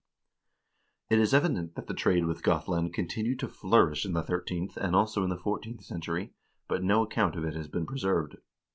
4 It is evident that the trade with Gothland continued to flourish in the thirteenth and also in the fourteenth century, but no account of it has been preserved.